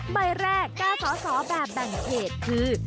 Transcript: ใบแรกการสอบสอบแบบแบ่งเพจคือ